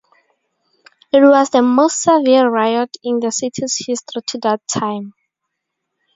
It was the most severe riot in the city's history to that time.